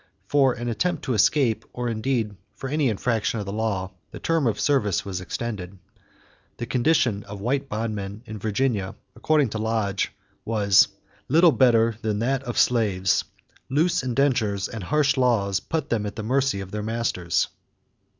For an attempt to escape or indeed for any infraction of the law, the term of service was extended. The condition of white bondmen in Virginia, according to Lodge, "was little better than that of slaves. Loose indentures and harsh laws put them at the mercy of their masters."